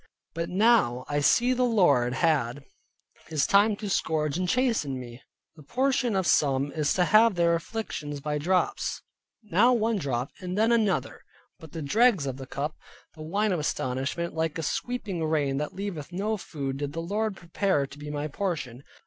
But now I see the Lord had His time to scourge and chasten me. The portion of some is to have their afflictions by drops, now one drop and then another; but the dregs of the cup, the wine of astonishment, like a sweeping rain that leaveth no food, did the Lord prepare to be my portion.